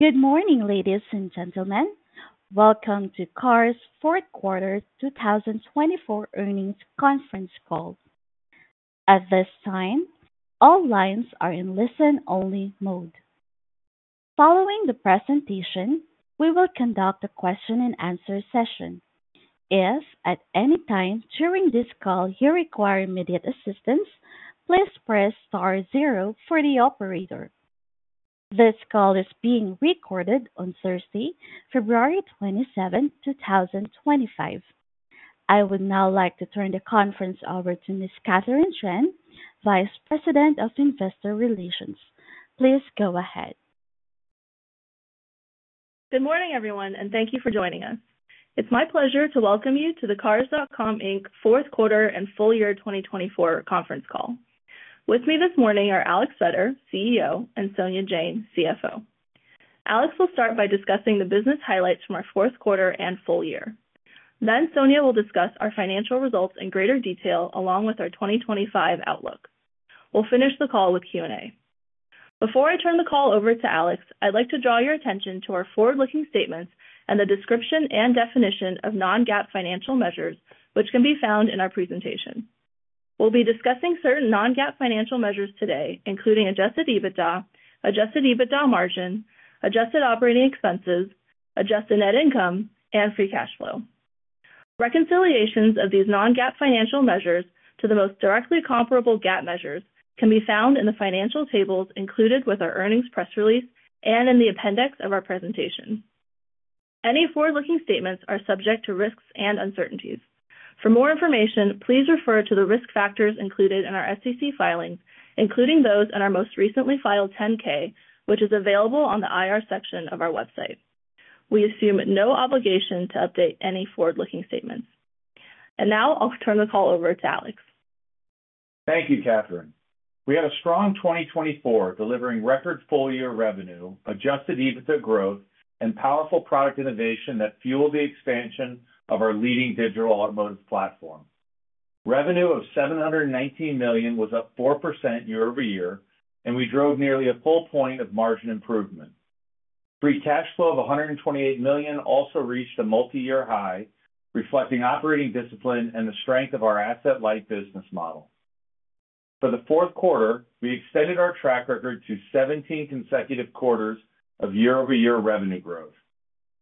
Good morning, ladies and gentlemen. Welcome to Cars' Fourth Quarter 2024 Earnings Conference Call. I would now like to turn the conference over to Ms. Katherine Chen, Vice President of Investor Relations. Please go ahead. Good morning, everyone, and thank you for joining us. It's my pleasure to welcome you to the Cars.com Inc Fourth Quarter and Full Year 2024 Conference Call. With me this morning are Alex Vetter, CEO, and Sonia Jain, CFO. Alex will start by discussing the business highlights from our fourth quarter and full year. Then Sonia will discuss our financial results in greater detail, along with our 2025 outlook. We'll finish the call with Q&A. Before I turn the call over to Alex, I'd like to draw your attention to our forward-looking statements and the description and definition of non-GAAP financial measures, which can be found in our presentation. We'll be discussing certain non-GAAP financial measures today, including Adjusted EBITDA, Adjusted EBITDA Margin, Adjusted Operating Expenses, Adjusted Net Income, and Free Cash Flow. Reconciliations of these non-GAAP financial measures to the most directly comparable GAAP measures can be found in the financial tables included with our earnings press release and in the appendix of our presentation. Any forward-looking statements are subject to risks and uncertainties. For more information, please refer to the risk factors included in our SEC filings, including those in our most recently filed 10-K, which is available on the IR section of our website. We assume no obligation to update any forward-looking statements, and now I'll turn the call over to Alex. Thank you, Katherine. We had a strong 2024, delivering record full-year Adjusted EBITDA growth, and powerful product innovation that fueled the expansion of our leading digital automotive platform. Revenue of $719 million was up 4% year-over-year, and we drove nearly a full point of margin improvement. Free cash flow of $128 million also reached a multi-year high, reflecting operating discipline and the strength of our asset-light business model. For the fourth quarter, we extended our track record to 17 consecutive quarters of year-over-year revenue growth.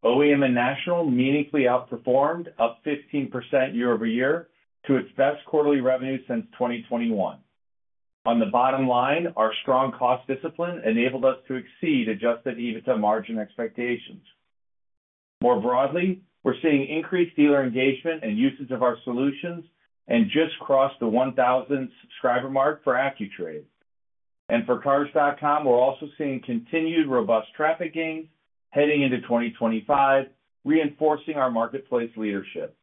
OEM and National meaningfully outperformed, up 15% year-over-year to its best quarterly revenue since 2021. On the bottom line, our strong cost discipline enabled us to exceed our adjusted EBITDA margin expectations. more broadly, we're seeing increased dealer engagement and usage of our solutions and just crossed the 1,000 subscriber mark for AccuTrade. For Cars.com, we're also seeing continued robust traffic gains heading into 2025, reinforcing our marketplace leadership.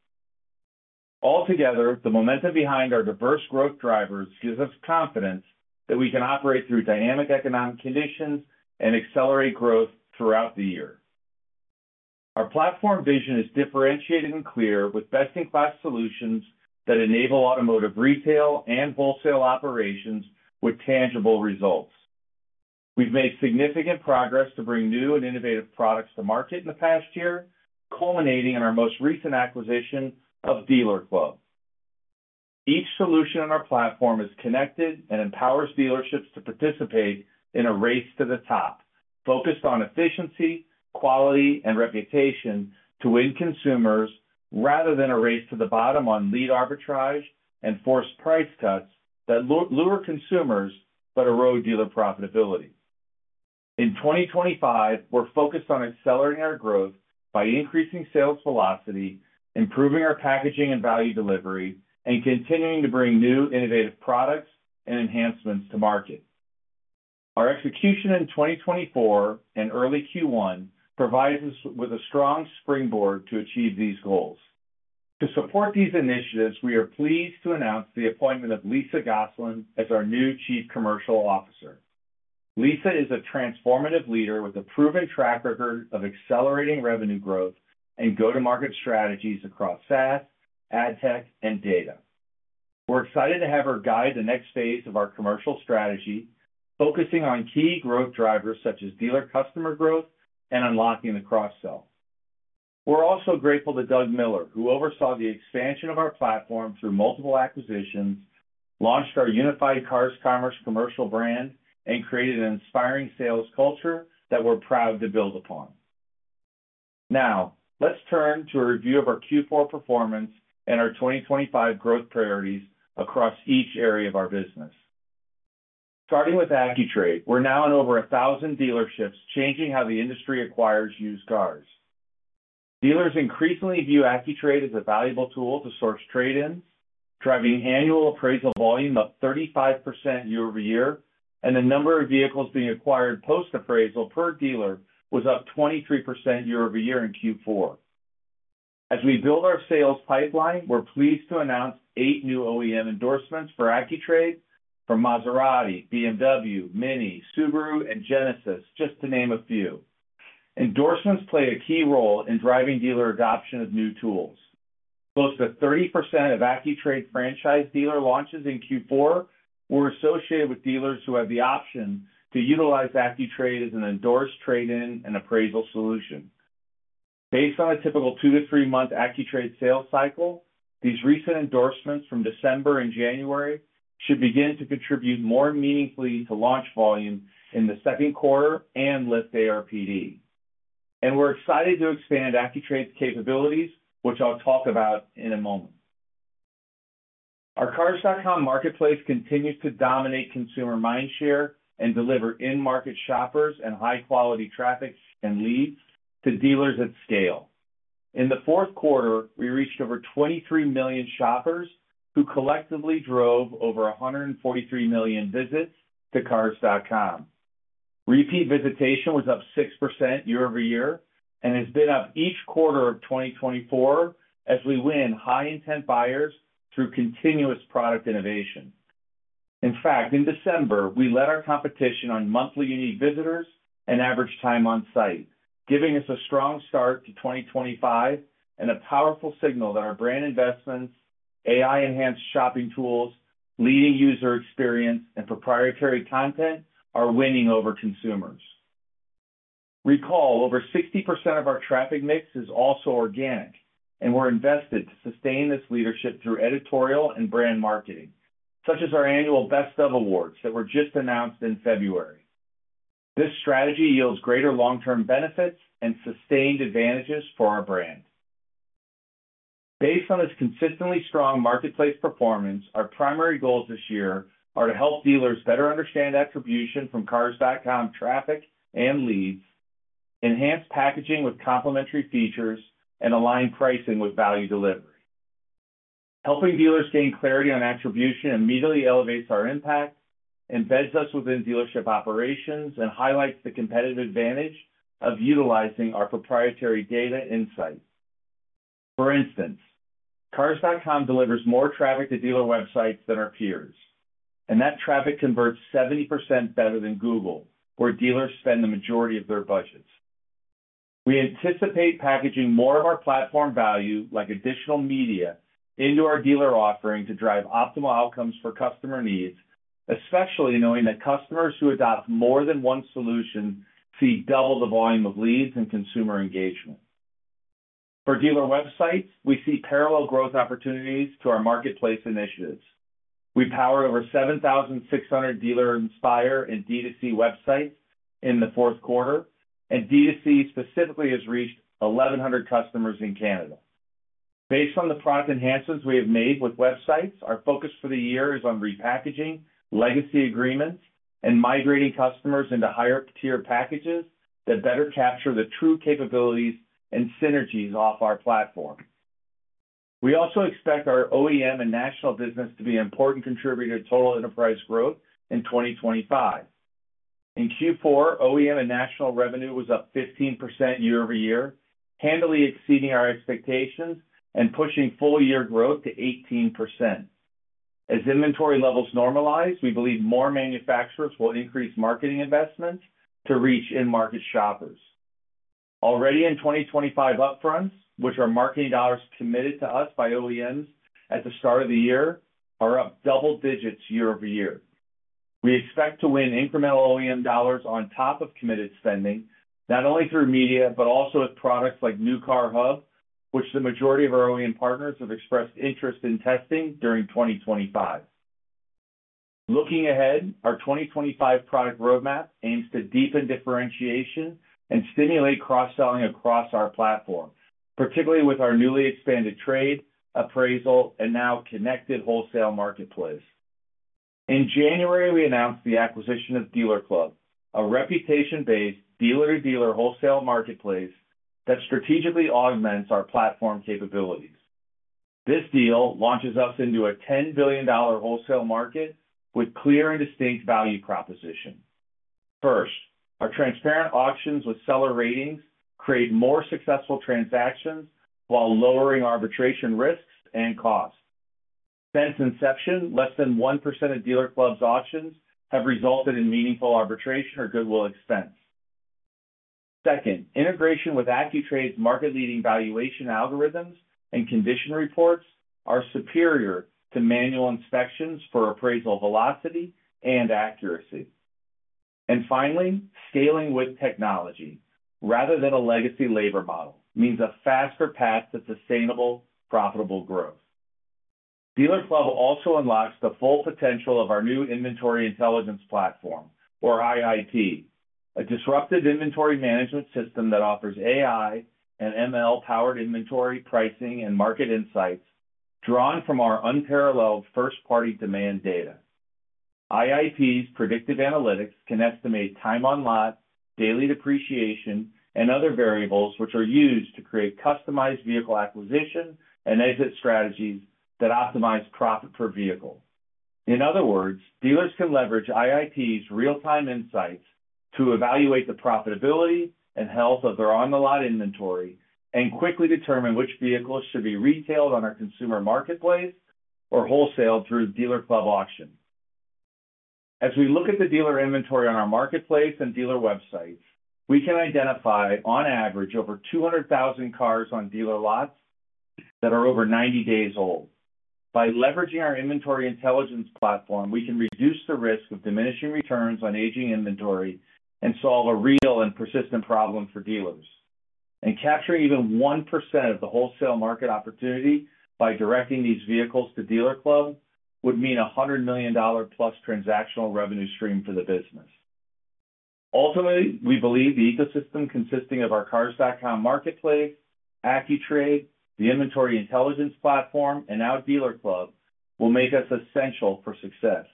Altogether, the momentum behind our diverse growth drivers gives us confidence that we can operate through dynamic economic conditions and accelerate growth throughout the year. Our platform vision is differentiated and clear, with best-in-class solutions that enable automotive retail and wholesale operations with tangible results. We've made significant progress to bring new and innovative products to market in the past year, culminating in our most recent acquisition of DealerClub. Each solution on our platform is connected and empowers dealerships to participate in a race to the top, focused on efficiency, quality, and reputation to win consumers rather than a race to the bottom on lead arbitrage and forced price cuts that lure consumers but erode dealer profitability. In 2025, we're focused on accelerating our growth by increasing sales velocity, improving our packaging and value delivery, and continuing to bring new innovative products and enhancements to market. Our execution in 2024 and early Q1 provides us with a strong springboard to achieve these goals. To support these initiatives, we are pleased to announce the appointment of Lisa Gosselin as our new Chief Commercial Officer. Lisa is a transformative leader with a proven track record of accelerating revenue growth and go-to-market strategies across SaaS, ad tech, and data. We're excited to have her guide the next phase of our commercial strategy, focusing on key growth drivers such as dealer customer growth and unlocking the cross-sell. We're also grateful to Doug Miller, who oversaw the expansion of our platform through multiple acquisitions, launched our unified Cars Commerce commercial brand, and created an inspiring sales culture that we're proud to build upon. Now, let's turn to a review of our Q4 performance and our 2025 growth priorities across each area of our business. Starting with AccuTrade, we're now in over 1,000 dealerships, changing how the industry acquires used cars. Dealers increasingly view AccuTrade as a valuable tool to source trade-ins, driving annual appraisal volume up 35% year-over-year, and the number of vehicles being acquired post-appraisal per dealer was up 23% year-over-year in Q4. As we build our sales pipeline, we're pleased to announce eight new OEM endorsements for AccuTrade from Maserati, BMW, MINI, Subaru, and Genesis, just to name a few. Endorsements play a key role in driving dealer adoption of new tools. Close to 30% of AccuTrade franchise dealer launches in Q4 were associated with dealers who had the option to utilize AccuTrade as an endorsed trade-in and appraisal solution. Based on a typical two to three-month AccuTrade sales cycle, these recent endorsements from December and January should begin to contribute more meaningfully to launch volume in the Q2 and lift ARPD. And we're excited to expand AccuTrade's capabilities, which I'll talk about in a moment. Our Cars.com Marketplace continues to dominate consumer mind share and deliver in-market shoppers and high-quality traffic and leads to dealers at scale. In the fourth quarter, we reached over 23 million shoppers who collectively drove over 143 million visits to Cars.com. Repeat visitation was up 6% year-over-year and has been up each quarter of 2024 as we win high-intent buyers through continuous product innovation. In fact, in December, we led our competition on monthly unique visitors and average time on site, giving us a strong start to 2025 and a powerful signal that our brand investments, AI-enhanced shopping tools, leading user experience, and proprietary content are winning over consumers. Recall, over 60% of our traffic mix is also organic, and we're invested to sustain this leadership through editorial and brand marketing, such as our annual Best of Awards that were just announced in February. This strategy yields greater long-term benefits and sustained advantages for our brand. Based on this consistently strong marketplace performance, our primary goals this year are to help dealers better understand attribution from Cars.com traffic and leads, enhance packaging with complementary features, and align pricing with value delivery. Helping dealers gain clarity on attribution immediately elevates our impact, embeds us within dealership operations, and highlights the competitive advantage of utilizing our proprietary data insights. For instance, Cars.com delivers more traffic to dealer websites than our peers, and that traffic converts 70% better than Google, where dealers spend the majority of their budgets. We anticipate packaging more of our platform value, like additional media, into our dealer offering to drive optimal outcomes for customer needs, especially knowing that customers who adopt more than one solution see double the volume of leads and consumer engagement. For dealer websites, we see parallel growth opportunities to our marketplace initiatives. We powered over 7,600 Dealer Inspire and D2C websites in the fourth quarter, and D2C specifically has reached 1,100 customers in Canada. Based on the product enhancements we have made with websites, our focus for the year is on repackaging, legacy agreements, and migrating customers into higher-tier packages that better capture the true capabilities and synergies of our platform. We also expect our OEM and National business to be an important contributor to total enterprise growth in 2025. In Q4, OEM and National revenue was up 15% year-over-year, handily exceeding our expectations and pushing full-year growth to 18%. As inventory levels normalize, we believe more manufacturers will increase marketing investments to reach in-market shoppers. Already in 2025, upfronts, which are marketing dollars committed to us by OEMs at the start of the year, are up double digits year-over-year. We expect to win incremental OEM dollars on top of committed spending, not only through media but also with products like New Car Hub, which the majority of our OEM partners have expressed interest in testing during 2025. Looking ahead, our 2025 product roadmap aims to deepen differentiation and stimulate cross-selling across our platform, particularly with our newly expanded trade, appraisal, and now connected wholesale marketplace. In January, we announced the acquisition of DealerClub, a reputation-based dealer-to-dealer wholesale marketplace that strategically augments our platform capabilities. This deal launches us into a $10 billion wholesale market with clear and distinct value proposition. First, our transparent auctions with seller ratings create more successful transactions while lowering arbitration risks and costs. Since inception, less than 1% of DealerClub's auctions have resulted in meaningful arbitration or goodwill expense. Second, integration with AccuTrade's market-leading valuation algorithms and condition reports are superior to manual inspections for appraisal velocity and accuracy, and finally, scaling with technology, rather than a legacy labor model, means a faster path to sustainable, profitable growth. DealerClub also unlocks the full potential of our Inventory Intelligence Platform, or IIP, a disruptive inventory management system that offers AI and ML-powered inventory pricing and market insights drawn from our unparalleled first-party demand data. IIP's predictive analytics can estimate time on lot, daily depreciation, and other variables, which are used to create customized vehicle acquisition and exit strategies that optimize profit per vehicle. In other words, dealers can leverage IIP's real-time insights to evaluate the profitability and health of their on-the-lot inventory and quickly determine which vehicles should be retailed on our consumer marketplace or wholesale through DealerClub auction. As we look at the dealer inventory on our marketplace and dealer websites, we can identify, on average, over 200,000 cars on dealer lots that are over 90 days old. By leveraging Inventory Intelligence Platform, we can reduce the risk of diminishing returns on aging inventory and solve a real and persistent problem for dealers, and capturing even 1% of the wholesale market opportunity by directing these vehicles to DealerClub would mean a $100 million-plus transactional revenue stream for the business. Ultimately, we believe the ecosystem consisting of our Cars.com Marketplace, AccuTrade, Inventory Intelligence Platform, and now DealerClub will make us essential for success.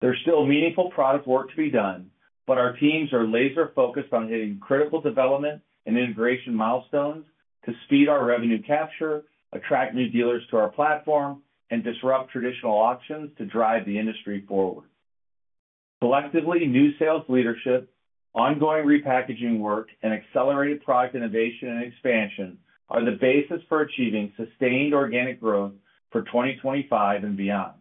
There's still meaningful product work to be done, but our teams are laser-focused on hitting critical development and integration milestones to speed our revenue capture, attract new dealers to our platform, and disrupt traditional auctions to drive the industry forward. Collectively, new sales leadership, ongoing repackaging work, and accelerated product innovation and expansion are the basis for achieving sustained organic growth for 2025 and beyond.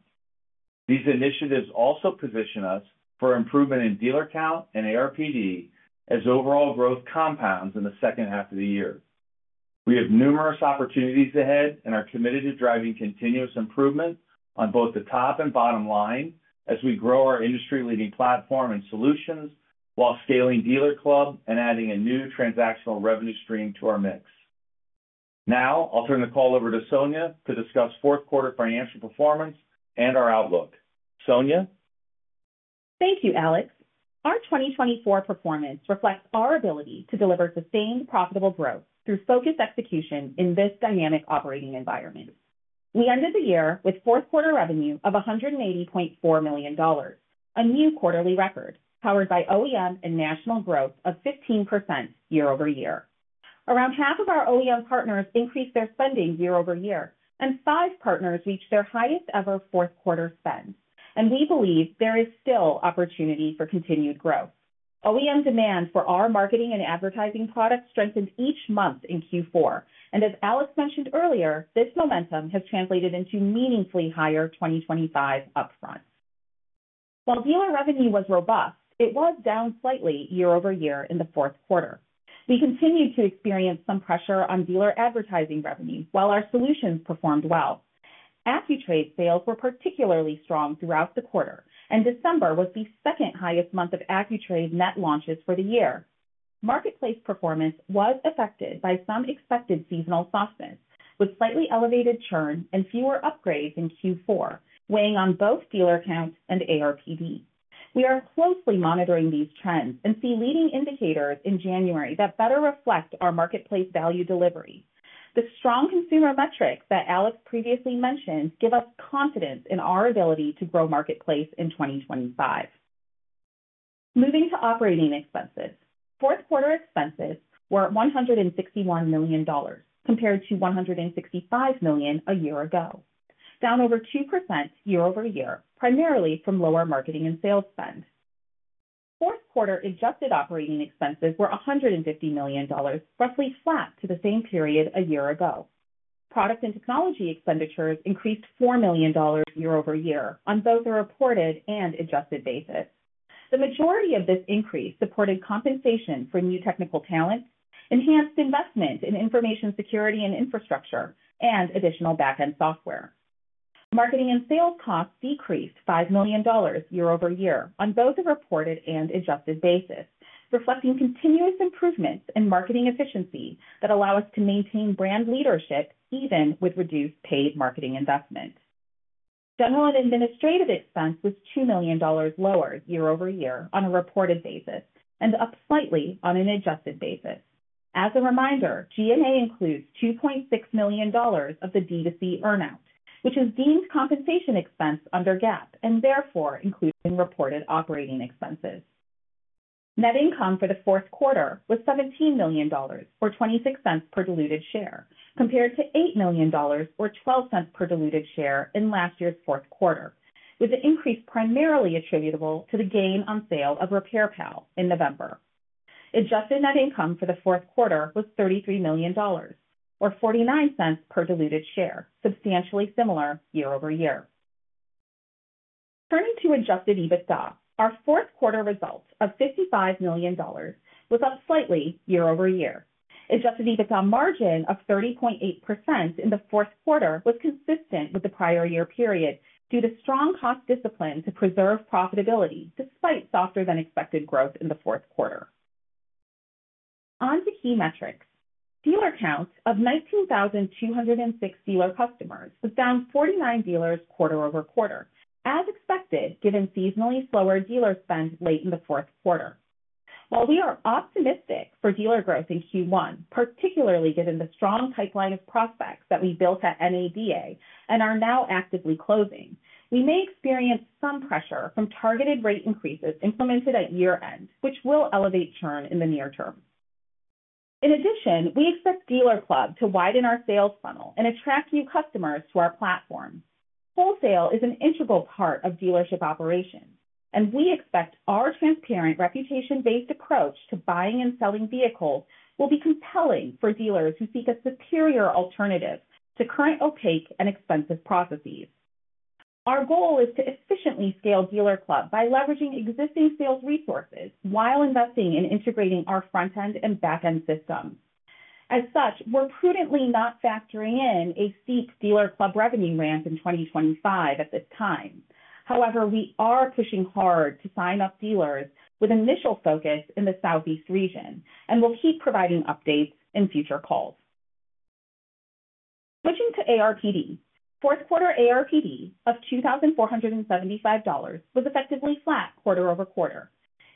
These initiatives also position us for improvement in dealer count and ARPD as overall growth compounds in the second half of the year. We have numerous opportunities ahead and are committed to driving continuous improvement on both the top and bottom line as we grow our industry-leading platform and solutions while scaling DealerClub and adding a new transactional revenue stream to our mix. Now, I'll turn the call over to Sonia to discuss fourth quarter financial performance and our outlook. Sonia? Thank you, Alex. Our 2024 performance reflects our ability to deliver sustained profitable growth through focused execution in this dynamic operating environment. We ended the year with fourth quarter revenue of $180.4 million, a new quarterly record, powered by OEM and National growth of 15% year-over-year. Around half of our OEM partners increased their spending year-over-year, and five partners reached their highest-ever fourth quarter spend. We believe there is still opportunity for continued growth. OEM demand for our marketing and advertising products strengthened each month in Q4. As Alex mentioned earlier, this momentum has translated into meaningfully higher 2025 upfronts. While dealer revenue was robust, it was down slightly year-over-year in the fourth quarter. We continued to experience some pressure on dealer advertising revenue while our solutions performed well. AccuTrade sales were particularly strong throughout the quarter, and December was the second-highest month of AccuTrade net launches for the year. Marketplace performance was affected by some expected seasonal softness, with slightly elevated churn and fewer upgrades in Q4, weighing on both dealer counts and ARPD. We are closely monitoring these trends and see leading indicators in January that better reflect our marketplace value delivery. The strong consumer metrics that Alex previously mentioned give us confidence in our ability to grow marketplace in 2025. Moving to operating expenses, fourth quarter expenses were at $161 million compared to $165 million a year ago, down over 2% year-over-year, primarily from lower marketing and sales spend. Fourth quarter Adjusted Operating Expenses were $150 million, roughly flat to the same period a year ago. Product and technology expenditures increased $4 million year-over-year on both a reported and adjusted basis. The majority of this increase supported compensation for new technical talent, enhanced investment in information security and infrastructure, and additional back-end software. Marketing and sales costs decreased $5 million year-over-year on both a reported and adjusted basis, reflecting continuous improvements in marketing efficiency that allow us to maintain brand leadership even with reduced paid marketing investment. General and administrative expense was $2 million lower year-over-year on a reported basis and up slightly on an adjusted basis. As a reminder, G&A includes $2.6 million of the D2C earnout, which is deemed compensation expense under GAAP and therefore including reported operating expenses. Net income for the fourth quarter was $17 million or $0.26 per diluted share, compared to $8 million or $0.12 per diluted share in last year's fourth quarter, with the increase primarily attributable to the gain on sale of RepairPal in November. Adjusted Net Income for the fourth quarter was $33 million or $0.49 per diluted share, substantially similar year-over-year. Turning Adjusted EBITDA, our fourth quarter results of adjusted EBITDA margin of 30.8% in the fourth quarter was consistent with the prior year period due to strong cost discipline to preserve profitability despite softer-than-expected growth in the fourth quarter. On to key metrics. Dealer count of 19,206 dealer customers was down 49 dealers quarter over quarter, as expected, given seasonally slower dealer spend late in the fourth quarter. While we are optimistic for dealer growth in Q1, particularly given the strong pipeline of prospects that we built at NADA and are now actively closing, we may experience some pressure from targeted rate increases implemented at year-end, which will elevate churn in the near term. In addition, we expect DealerClub to widen our sales funnel and attract new customers to our platform. Wholesale is an integral part of dealership operations, and we expect our transparent reputation-based approach to buying and selling vehicles will be compelling for dealers who seek a superior alternative to current opaque and expensive processes. Our goal is to efficiently scale DealerClub by leveraging existing sales resources while investing in integrating our front-end and back-end systems. As such, we're prudently not factoring in a steep DealerClub revenue ramp in 2025 at this time. However, we are pushing hard to sign up dealers with initial focus in the Southeast region, and we'll keep providing updates in future calls. Switching to ARPD, fourth quarter ARPD of $2,475 was effectively flat quarter over quarter.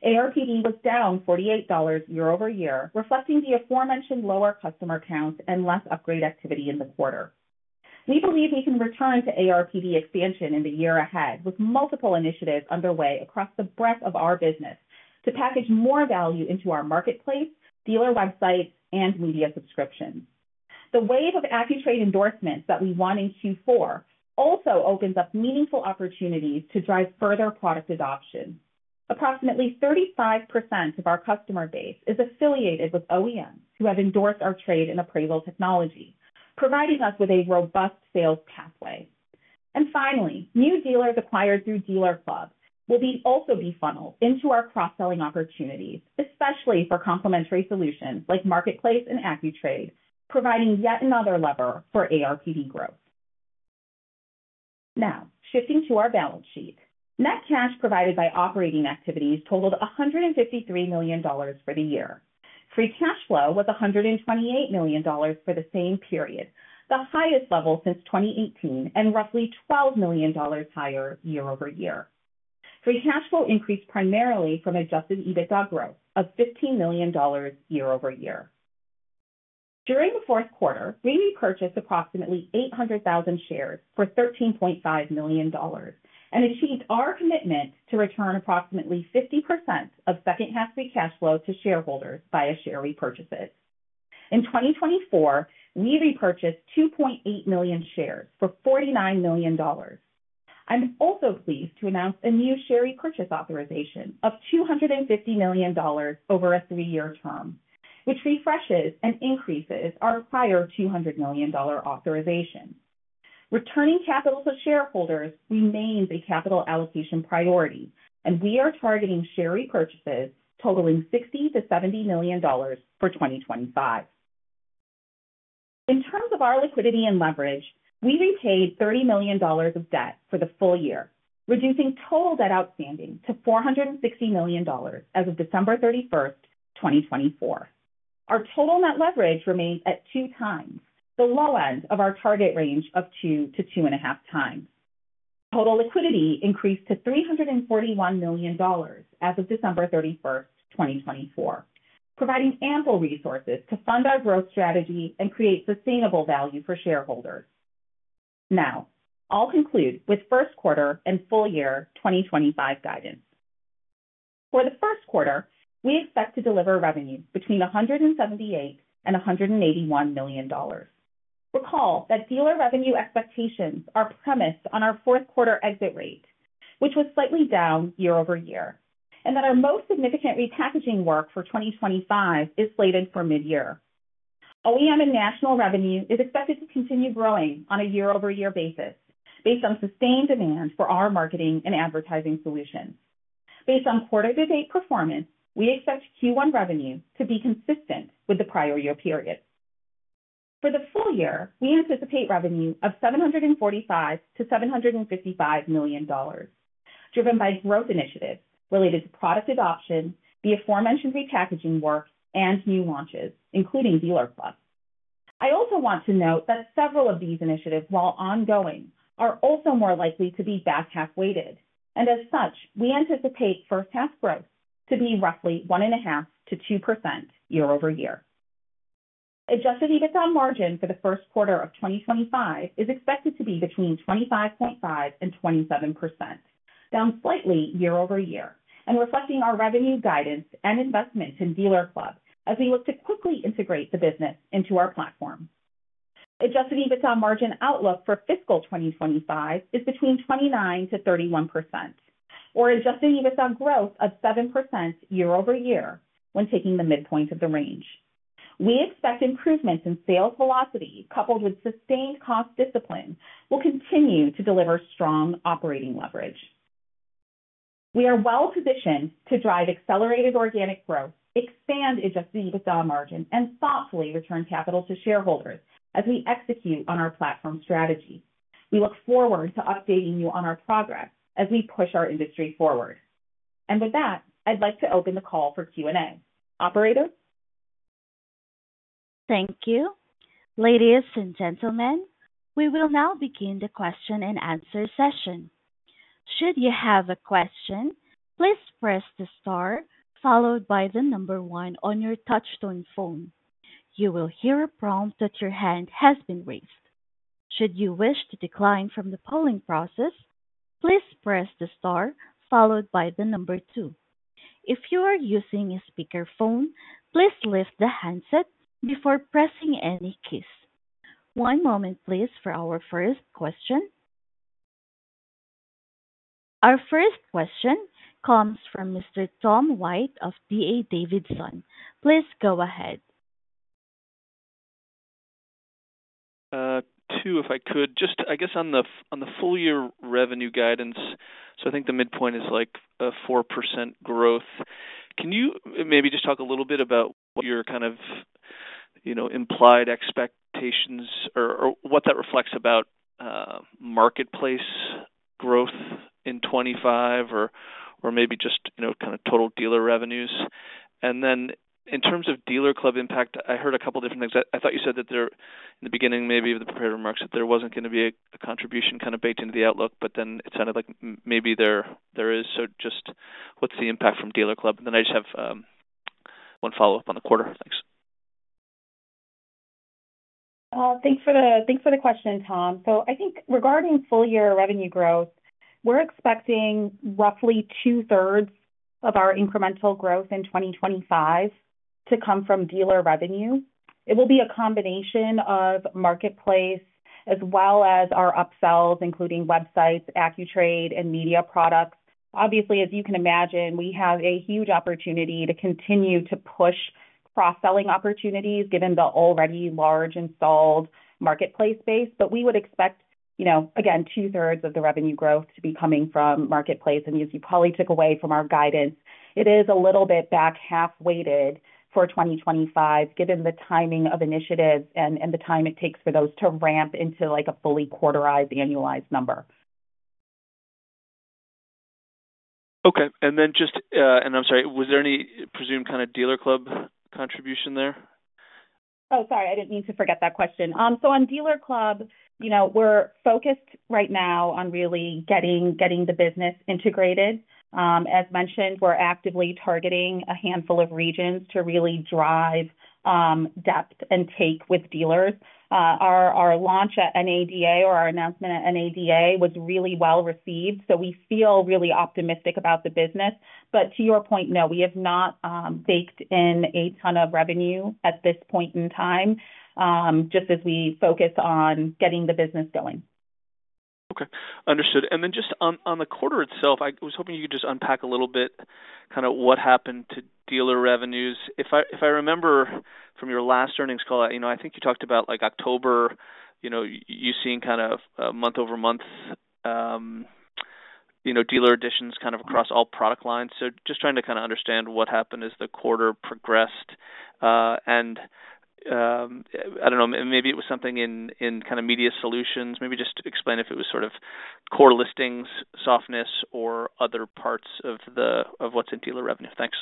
ARPD was down $48 year-over-year, reflecting the aforementioned lower customer count and less upgrade activity in the quarter. We believe we can return to ARPD expansion in the year ahead with multiple initiatives underway across the breadth of our business to package more value into our marketplace, dealer websites, and media subscriptions. The wave of AccuTrade endorsements that we won in Q4 also opens up meaningful opportunities to drive further product adoption. Approximately 35% of our customer base is affiliated with OEMs who have endorsed our trade and appraisal technology, providing us with a robust sales pathway. And finally, new dealers acquired through DealerClub will also be funneled into our cross-selling opportunities, especially for complementary solutions like Marketplace and AccuTrade, providing yet another lever for ARPD growth. Now, shifting to our balance sheet, net cash provided by operating activities totaled $153 million for the year. Free cash flow with a $128 million for the same period, the highest level since 2018 and roughly $12 million higher year-over-year. Free cash flow increased primarily from Adjusted EBITDA growth of $15 million year-over-year. During the fourth quarter, we repurchased approximately 800,000 shares for $13.5 million and achieved our commitment to return approximately 50% of second half free cash flow to shareholders via share repurchases. in 2024, we repurchased 2.8 million shares for $49 million. I'm also pleased to announce a new share repurchase authorization of $250 million over a three-year term, which refreshes and increases our prior $200 million authorization. Returning capital to shareholders remains a capital allocation priority, and we are targeting share repurchases totaling $60 million-$70 million for 2025. In terms of our liquidity and leverage, we repaid $30 million of debt for the full year, reducing total debt outstanding to $460 million as of December 31st, 2024. Our total net leverage remains at two times, the low end of our target range of two to two and a half times. Total liquidity increased to $341 million as of December 31st, 2024, providing ample resources to fund our growth strategy and create sustainable value for shareholders. Now, I'll conclude with Q1 and full-year 2025 guidance. For first quarter, we expect to deliver revenue between $178 and $181 million. Recall that dealer revenue expectations are premised on our fourth quarter exit rate, which was slightly down year-over-year, and that our most significant repackaging work for 2025 is slated for mid-year. OEM and National revenue is expected to continue growing on a year-over-year basis based on sustained demand for our marketing and advertising solutions. Based on quarter-to-date performance, we expect Q1 revenue to be consistent with the prior year period. For the full year, we anticipate revenue of $745 million-$755 million, driven by growth initiatives related to product adoption, the aforementioned repackaging work, and new launches, including DealerClub. I also want to note that several of these initiatives, while ongoing, are also more likely to be back-half weighted, and as such, we anticipate first-half adjusted EBITDA margin for first quarter of 2025 is expected to be between 25.5% and 27%, down slightly year-over-year, and reflecting our revenue guidance and investment in DealerClub as we look to quickly integrate the business into our platform. Adjusted EBITDA margin outlook for fiscal 2025 is between 29%-31%, Adjusted EBITDA growth of 7% year-over-year when taking the midpoint of the range. We expect improvements in sales velocity, coupled with sustained cost discipline, will continue to deliver strong operating leverage. We are well-positioned to drive accelerated organic growth, adjusted EBITDA margin, and thoughtfully return capital to shareholders as we execute on our platform strategy. We look forward to updating you on our progress as we push our industry forward. And with that, I'd like to open the call for Q&A. Operator? Thank you. Ladies and gentlemen, we will now begin the question-and-answer session. One moment, please, for our first question. Our first question comes from Mr. Tom White of D.A. Davidson. Please go ahead. Two, if I could. Just, I guess, on the full-year revenue guidance, so I think the midpoint is like a 4% growth. Can you maybe just talk a little bit about what your kind of implied expectations or what that reflects about marketplace growth in 2025 or maybe just kind of total dealer revenues? And then in terms of DealerClub impact, I heard a couple of different things. I thought you said that in the beginning, maybe with the prepared remarks, that there wasn't going to be a contribution kind of baked into the outlook, but then it sounded like maybe there is. So just what's the impact from DealerClub? And then I just have one follow-up on the quarter. Thanks. Thanks for the question, Tom. So I think regarding full-year revenue growth, we're expecting roughly 2/3 of our incremental growth in 2025 to come from dealer revenue. It will be a combination of marketplace as well as our upsells, including websites, AccuTrade, and media products. Obviously, as you can imagine, we have a huge opportunity to continue to push cross-selling opportunities, given the already large and solid marketplace base. But we would expect, again, two-thirds of the revenue growth to be coming from marketplace. And as you probably took away from our guidance, it is a little bit back-half weighted for 2025 given the timing of initiatives and the time it takes for those to ramp into a fully quarterized, annualized number. Okay. And then just, and I'm sorry, was there any presumed kind of DealerClub contribution there? Oh, sorry. I didn't mean to forget that question. So on DealerClub, we're focused right now on really getting the business integrated. As mentioned, we're actively targeting a handful of regions to really drive depth and take with dealers. Our launch at NADA or our announcement at NADA was really well received, so we feel really optimistic about the business. To your point, no, we have not baked in a ton of revenue at this point in time, just as we focus on getting the business going. Okay. Understood. Then just on the quarter itself, I was hoping you could just unpack a little bit kind of what happened to dealer revenues. If I remember from your last earnings call, I think you talked about October, you seeing kind of month-over-month dealer additions kind of across all product lines. So just trying to kind of understand what happened as the quarter progressed. I don't know, maybe it was something in kind of media solutions. Maybe just explain if it was sort of core listings, softness, or other parts of what's in dealer revenue. Thanks.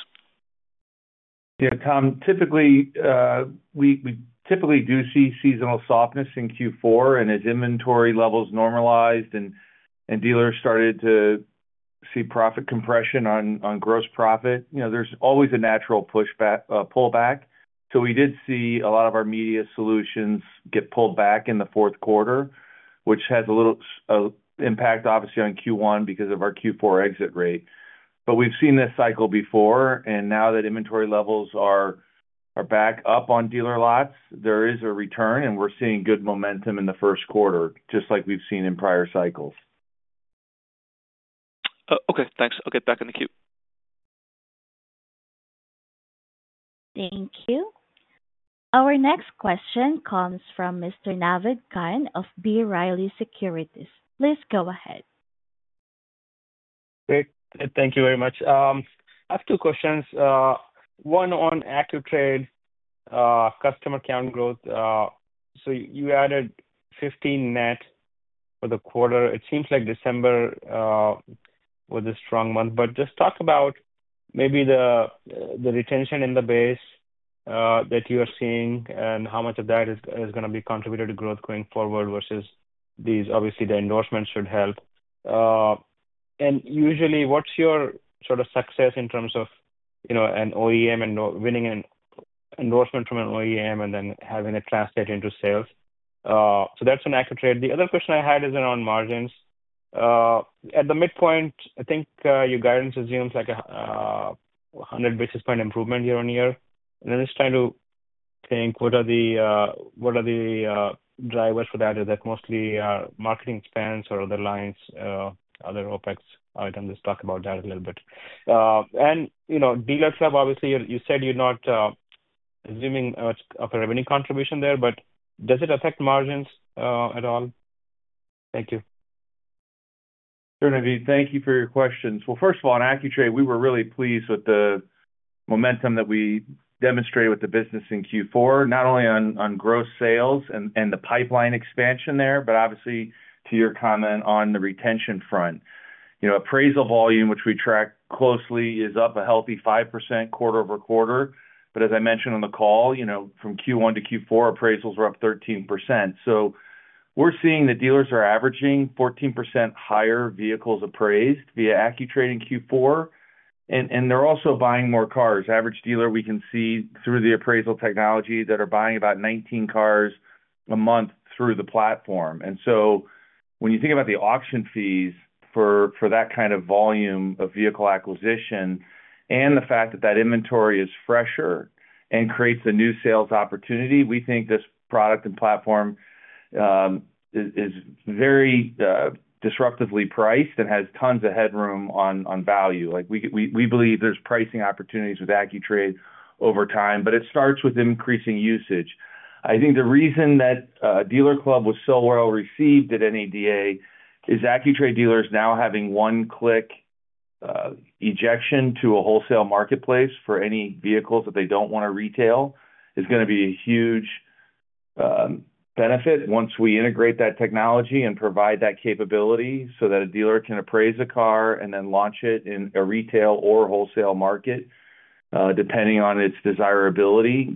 Yeah, Tom, typically we do see seasonal softness in Q4. And as inventory levels normalized and dealers started to see profit compression on gross profit, there's always a natural pushback, pullback. So we did see a lot of our media solutions get pulled back in the fourth quarter, which had a little impact, obviously, on Q1 because of our Q4 exit rate. But we've seen this cycle before. And now that inventory levels are back up on dealer lots, there is a return, and we're seeing good momentum in the first quarter, just like we've seen in prior cycles. Okay. Thanks. I'll get back in the queue. Thank you. Our next question comes from Mr. Naved Khan of B. Riley Securities. Please go ahead. Great. Thank you very much. I have two questions. One on AccuTrade customer count growth. So you added 15 net for the quarter. It seems like December was a strong month. But just talk about maybe the retention in the base that you are seeing, and how much of that is going to be contributed to growth going forward, versus these, obviously, the endorsements should help. And usually, what's your sort of success in terms of an OEM and winning an endorsement from an OEM and then having it translate into sales? So that's on AccuTrade. The other question I had is around margins. At the midpoint, I think your guidance assumes like a 100 basis points improvement year-on-year. And I'm just trying to think what are the drivers for that? Is that mostly marketing expense or other lines, other OpEx items? Talk about that a little bit. And DealerClub, obviously, you said you're not assuming much of a revenue contribution there, but does it affect margins at all? Thank you. Sure, Naved. Thank you for your questions. Well, first of all, on AccuTrade, we were really pleased with the momentum that we demonstrated with the business in Q4, not only on gross sales and the pipeline expansion there, but obviously to your comment on the retention front. Appraisal volume, which we track closely, is up a healthy 5% quarter over quarter. But as I mentioned on the call, from Q1 to Q4, appraisals were up 13%. So we're seeing the dealers are averaging 14% higher vehicles appraised via AccuTrade in Q4. And they're also buying more cars. Average dealer, we can see through the appraisal technology that are buying about 19 cars a month through the platform. And so when you think about the auction fees for that kind of volume of vehicle acquisition and the fact that that inventory is fresher and creates a new sales opportunity, we think this product and platform is very disruptively priced and has tons of headroom on value. We believe there's pricing opportunities with AccuTrade over time, but it starts with increasing usage. I think the reason that DealerClub was so well received at NADA is AccuTrade dealers now having one-click injection to a wholesale marketplace for any vehicles that they don't want to retail is going to be a huge benefit once we integrate that technology and provide that capability so that a dealer can appraise a car and then launch it in a retail or wholesale market, depending on its desirability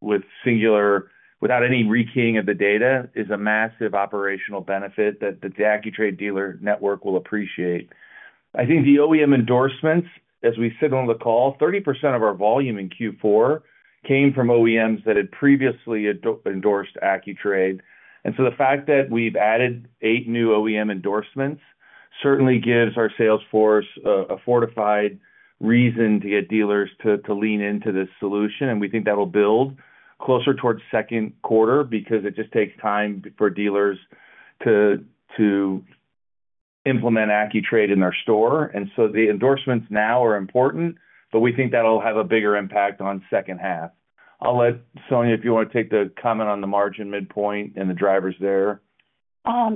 without any rekeying of the data, is a massive operational benefit that the AccuTrade dealer network will appreciate. I think the OEM endorsements, as we sit on the call, 30% of our volume in Q4 came from OEMs that had previously endorsed AccuTrade, and so the fact that we've added eight new OEM endorsements certainly gives our salesforce a fortified reason to get dealers to lean into this solution. And we think that will build closer towards Q2 because it just takes time for dealers to implement AccuTrade in their store. And so the endorsements now are important, but we think that'll have a bigger impact on second half. I'll let Sonia, if you want to take the comment on the margin midpoint and the drivers there.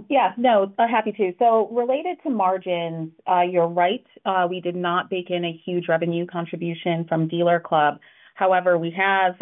Yeah. No, happy to. So related to margins, you're right. We did not bake in a huge revenue contribution from DealerClub. However, we have,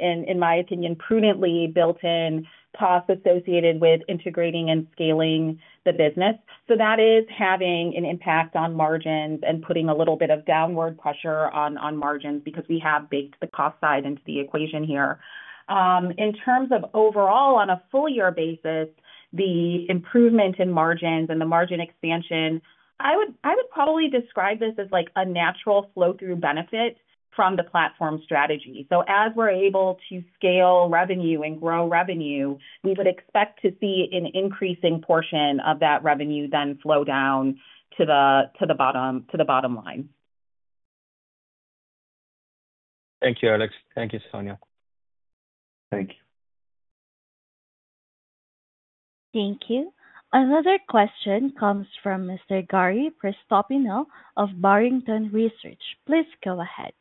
in my opinion, prudently built in costs associated with integrating and scaling the business. So that is having an impact on margins and putting a little bit of downward pressure on margins because we have baked the cost side into the equation here. In terms of overall, on a full-year basis, the improvement in margins and the margin expansion, I would probably describe this as a natural flow-through benefit from the platform strategy. So as we're able to scale revenue and grow revenue, we would expect to see an increasing portion of that revenue then flow down to the bottom line. Thank you, Alex. Thank you, Sonia. Thank you. Thank you. Another question comes from Mr. Gary Prestopino of Barrington Research. Please go ahead.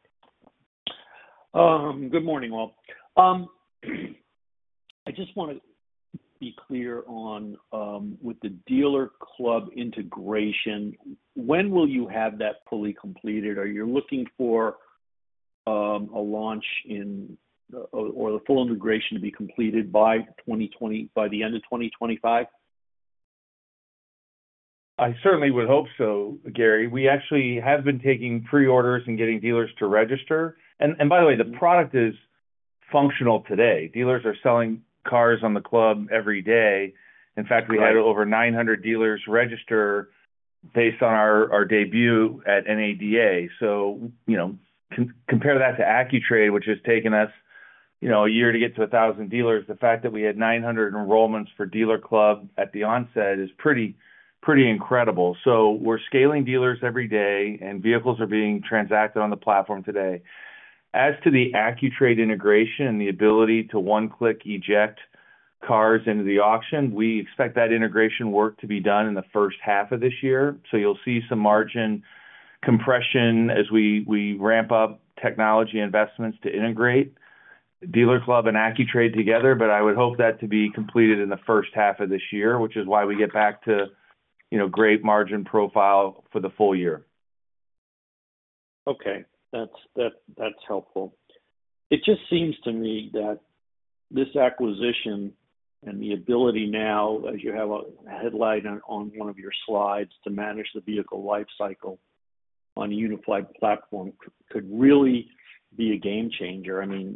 Good morning, all. I just want to be clear on with the DealerClub integration, when will you have that fully completed? Are you looking for a launch or the full integration to be completed by the end of 2025? I certainly would hope so, Gary. We actually have been taking pre-orders and getting dealers to register. And by the way, the product is functional today. Dealers are selling cars on the club every day. In fact, we had over 900 dealers register based on our debut at NADA. So compare that to AccuTrade, which has taken us a year to get to 1,000 dealers. The fact that we had 900 enrollments for DealerClub at the onset is pretty incredible. So we're scaling dealers every day, and vehicles are being transacted on the platform today. As to the AccuTrade integration and the ability to one-click eject cars into the auction, we expect that integration work to be done in the first half of this year. So you'll see some margin compression as we ramp up technology investments to integrate DealerClub and AccuTrade together. But I would hope that to be completed in the first half of this year, which is why we get back to great margin profile for the full year. Okay. That's helpful. It just seems to me that this acquisition and the ability now, as you have a headline on one of your slides, to manage the vehicle lifecycle on a unified platform could really be a game changer. I mean,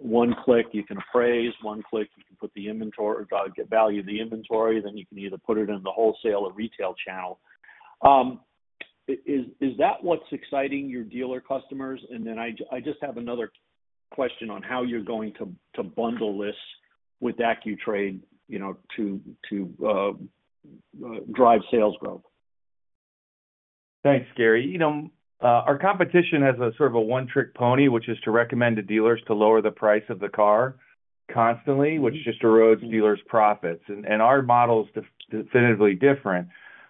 one-click, you can appraise. One-click, you can put the inventory or value the inventory. Then you can either put it in the wholesale or retail channel. Is that what's exciting your dealer customers? And then I just have another question on how you're going to bundle this with AccuTrade to drive sales growth. Thanks, Gary. Our competition has a sort of a one-trick pony, which is to recommend to dealers to lower the price of the car constantly, which just erodes dealers' profits. And our model is definitively different,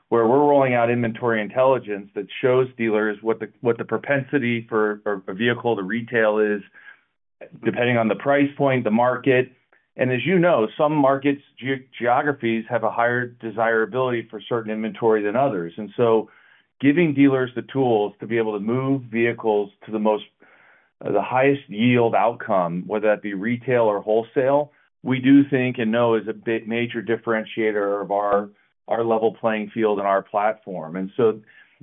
where we're rolling out Inventory Intelligence that shows dealers what the propensity for a vehicle to retail is depending on the price point, the market. And as you know, some market geographies have a higher desirability for certain inventory than others. And so giving dealers the tools to be able to move vehicles to the highest yield outcome, whether that be retail or wholesale, we do think and know is a major differentiator of our level playing field and our platform. And so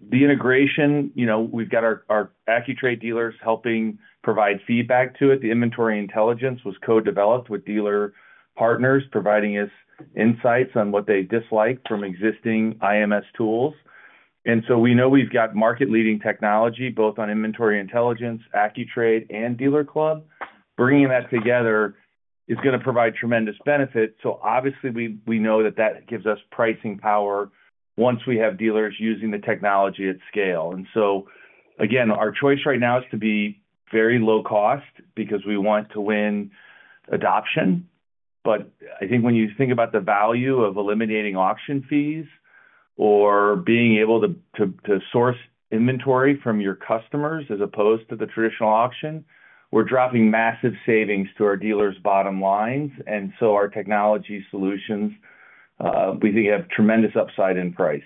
the integration, we've got our AccuTrade dealers helping provide feedback to it. The Inventory Intelligence was co-developed with dealer partners, providing us insights on what they dislike from existing IMS tools. And so we know we've got market-leading technology both on Inventory Intelligence, AccuTrade, and DealerClub. Bringing that together is going to provide tremendous benefit. So obviously, we know that gives us pricing power once we have dealers using the technology at scale. And so again, our choice right now is to be very low cost because we want to win adoption. But I think when you think about the value of eliminating auction fees or being able to source inventory from your customers as opposed to the traditional auction, we're dropping massive savings to our dealers' bottom lines. And so our technology solutions, we think, have tremendous upside in price.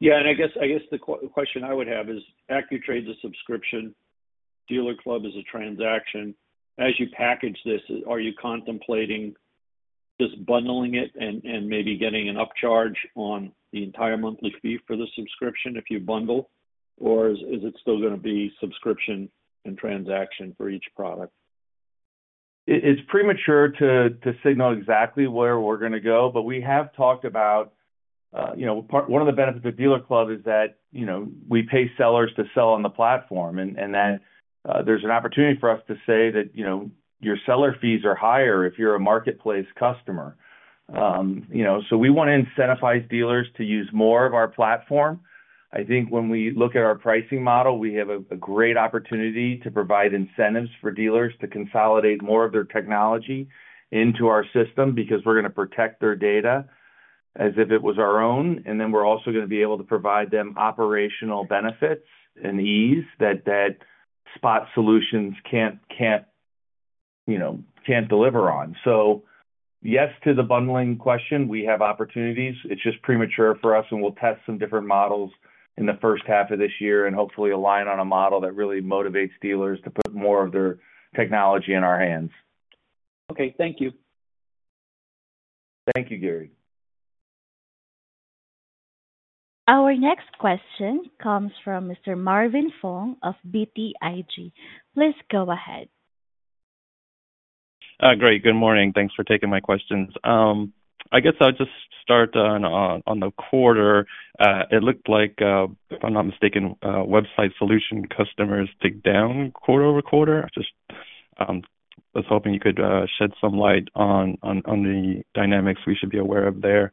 Yeah. And I guess the question I would have is, AccuTrade is a subscription. DealerClub is a transaction. As you package this, are you contemplating just bundling it and maybe getting an upcharge on the entire monthly fee for the subscription if you bundle? Or is it still going to be subscription and transaction for each product? It's premature to signal exactly where we're going to go, but we have talked about one of the benefits of DealerClub is that we pay sellers to sell on the platform and that there's an opportunity for us to say that your seller fees are higher if you're a marketplace customer, so we want to incentivize dealers to use more of our platform. I think when we look at our pricing model, we have a great opportunity to provide incentives for dealers to consolidate more of their technology into our system because we're going to protect their data as if it was our own. And then we're also going to be able to provide them operational benefits and ease that spot solutions can't deliver on, so yes to the bundling question. We have opportunities. It's just premature for us, and we'll test some different models in the first half of this year and hopefully align on a model that really motivates dealers to put more of their technology in our hands. Okay. Thank you. Thank you, Gary. Our next question comes from Mr. Marvin Fong of BTIG. Please go ahead. Great. Good morning. Thanks for taking my questions. I guess I'll just start on the quarter. It looked like, if I'm not mistaken, website solution customers dipped down quarter over quarter. I just was hoping you could shed some light on the dynamics we should be aware of there.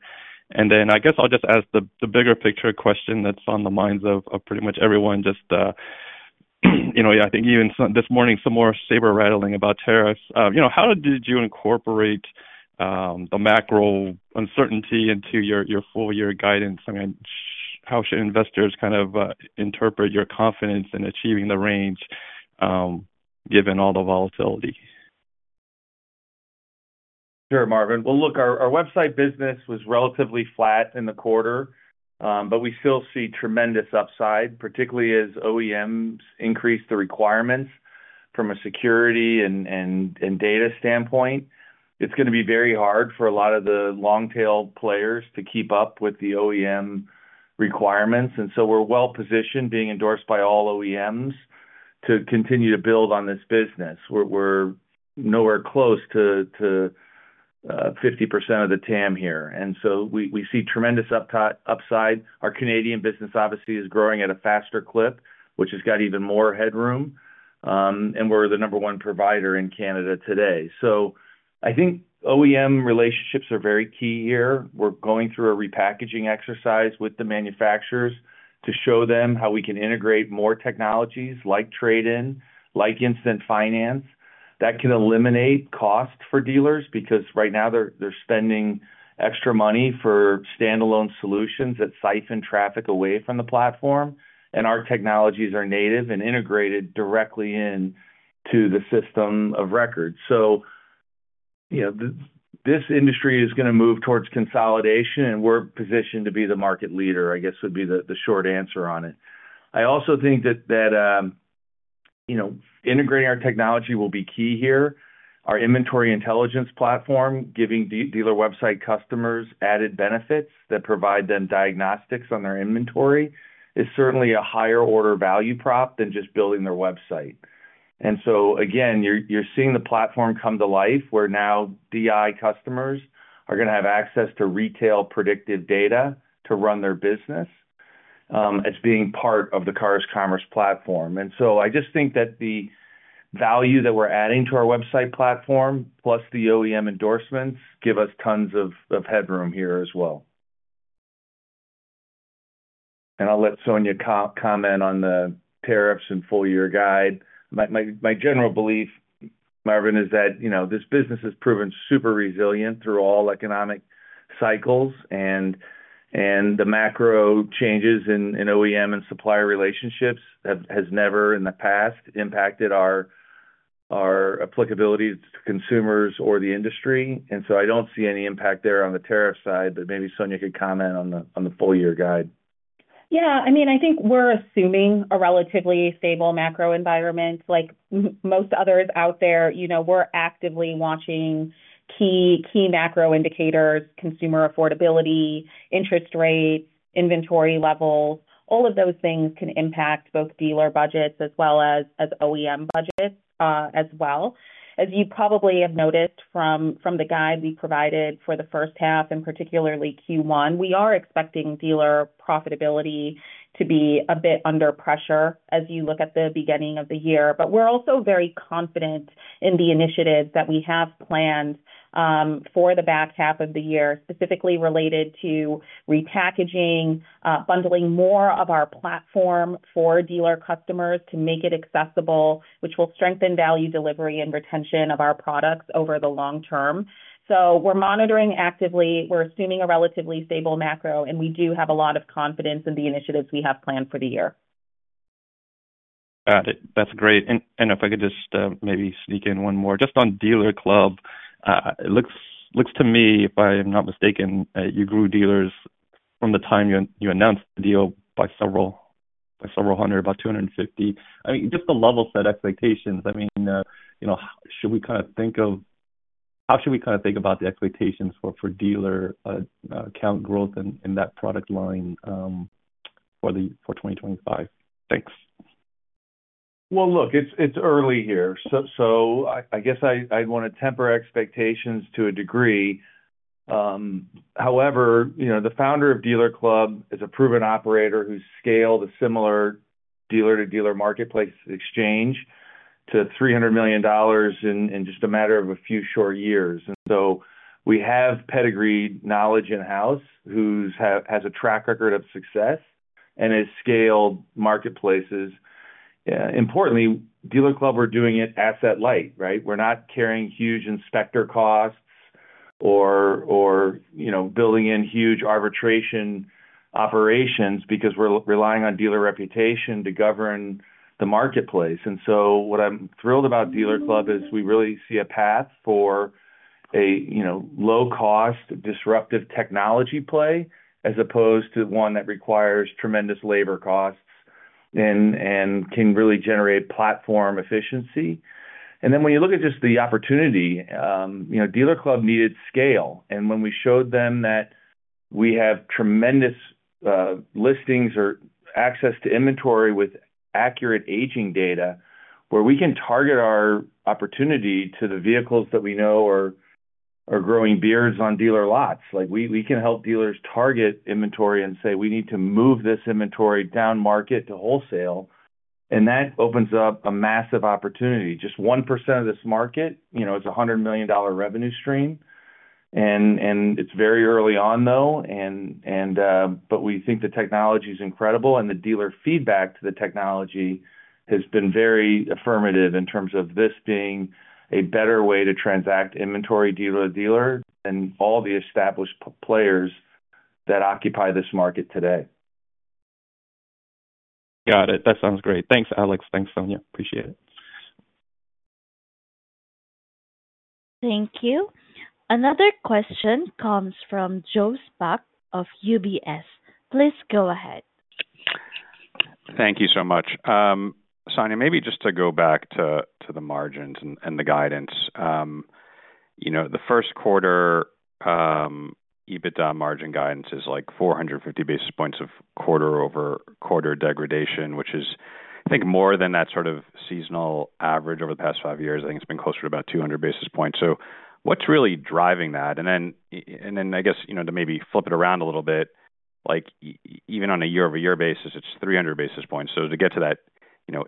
And then I guess I'll just ask the bigger picture question that's on the minds of pretty much everyone. Just, I think, even this morning, some more saber rattling about tariffs. How did you incorporate the macro uncertainty into your full-year guidance? I mean, how should investors kind of interpret your confidence in achieving the range given all the volatility? Sure, Marvin. Well, look, our website business was relatively flat in the quarter, but we still see tremendous upside, particularly as OEMs increase the requirements from a security and data standpoint. It's going to be very hard for a lot of the long-tail players to keep up with the OEM requirements. And so we're well-positioned, being endorsed by all OEMs, to continue to build on this business. We're nowhere close to 50% of the TAM here. And so we see tremendous upside. Our Canadian business, obviously, is growing at a faster clip, which has got even more headroom. And we're the number one provider in Canada today. So I think OEM relationships are very key here. We're going through a repackaging exercise with the manufacturers to show them how we can integrate more technologies like trade-in, like instant finance that can eliminate cost for dealers because right now they're spending extra money for standalone solutions that siphon traffic away from the platform, and our technologies are native and integrated directly into the system of record, so this industry is going to move towards consolidation, and we're positioned to be the market leader, I guess, would be the short answer on it. I also think that integrating our technology will be key here. Inventory Intelligence Platform, giving dealer website customers added benefits that provide them diagnostics on their inventory, is certainly a higher-order value prop than just building their website. And so, again, you're seeing the platform come to life, where now DI customers are going to have access to retail predictive data to run their business as being part of the Cars Commerce platform. And so I just think that the value that we're adding to our website platform, plus the OEM endorsements, give us tons of headroom here as well. And I'll let Sonia comment on the tariffs and full-year guide. My general belief, Marvin, is that this business has proven super resilient through all economic cycles. And the macro changes in OEM and supplier relationships have never in the past impacted our applicability to consumers or the industry. And so I don't see any impact there on the tariff side, but maybe Sonia could comment on the full-year guide. Yeah. I mean, I think we're assuming a relatively stable macro environment. Like most others out there, we're actively watching key macro indicators: consumer affordability, interest rates, inventory levels. All of those things can impact both dealer budgets as well as OEM budgets as well. As you probably have noticed from the guide we provided for the first half, and particularly Q1, we are expecting dealer profitability to be a bit under pressure as you look at the beginning of the year. But we're also very confident in the initiatives that we have planned for the back half of the year, specifically related to repackaging, bundling more of our platform for dealer customers to make it accessible, which will strengthen value delivery and retention of our products over the long term. So we're monitoring actively. We're assuming a relatively stable macro, and we do have a lot of confidence in the initiatives we have planned for the year. Got it. That's great. And if I could just maybe sneak in one more, just on DealerClub, it looks to me, if I am not mistaken, you grew dealers from the time you announced the deal by several hundred, about 250. I mean, just to level set expectations, I mean, should we kind of think of how should we kind of think about the expectations for dealer account growth in that product line for 2025? Thanks. Well, look, it's early here. So I guess I'd want to temper expectations to a degree. However, the founder of DealerClub is a proven operator who's scaled a similar dealer-to-dealer marketplace exchange to $300 million in just a matter of a few short years. And so we have pedigree knowledge in-house, who has a track record of success and has scaled marketplaces. Importantly, DealerClub, we're doing it asset light, right? We're not carrying huge inspector costs or building in huge arbitration operations because we're relying on dealer reputation to govern the marketplace. And so what I'm thrilled about DealerClub is we really see a path for a low-cost, disruptive technology play as opposed to one that requires tremendous labor costs and can really generate platform efficiency. And then when you look at just the opportunity, DealerClub needed scale. And when we showed them that we have tremendous listings or access to inventory with accurate aging data where we can target our opportunity to the vehicles that we know are growing beards on dealer lots, we can help dealers target inventory and say, "We need to move this inventory down market to wholesale." And that opens up a massive opportunity. Just 1% of this market is a $100 million revenue stream. And it's very early on, though. But we think the technology is incredible. And the dealer feedback to the technology has been very affirmative in terms of this being a better way to transact inventory dealer to dealer than all the established players that occupy this market today. Got it. That sounds great. Thanks, Alex. Thanks, Sonia. Appreciate it. Thank you. Another question comes from Joe Spak of UBS. Please go ahead. Thank you so much. Sonia, maybe just to go back to the margins and the guidance. The first quarter EBITDA margin guidance is like 450 basis points of quarter-over-quarter degradation, which is, I think, more than that sort of seasonal average over the past five years. I think it's been closer to about 200 basis points. So what's really driving that? And then I guess to maybe flip it around a little bit, even on a year-over-year basis, it's 300 basis points. So to get to that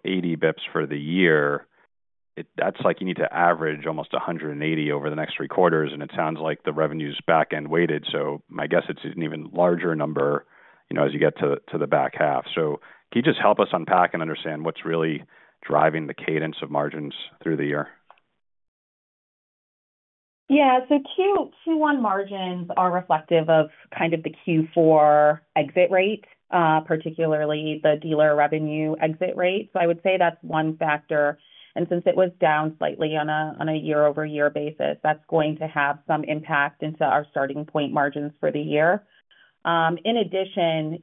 80 basis points for the year, that's like you need to average almost 180 over the next three quarters. And it sounds like the revenue's back-end weighted. So my guess it's an even larger number as you get to the back half. So can you just help us unpack and understand what's really driving the cadence of margins through the year? Yeah. So Q1 margins are reflective of kind of the Q4 exit rate, particularly the dealer revenue exit rate. So I would say that's one factor. And since it was down slightly on a year-over-year basis, that's going to have some impact into our starting point margins for the year. In addition,